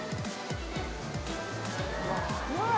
「うわ！」